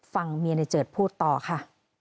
ฟังเมียในเจิดพูดต่อค่ะ